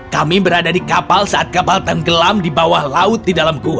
kami berada di kapal saat ini